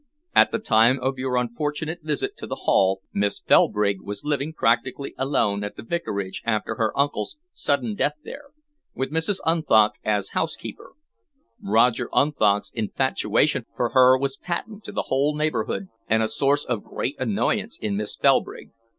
"At the time of your unfortunate visit to the Hall Miss Felbrigg was living practically alone at the Vicarage after her uncle's sudden death there, with Mrs. Unthank as housekeeper. Roger Unthank's infatuation for her was patent to the whole neighbourhood and a source of great annoyance in Miss Felbrigg.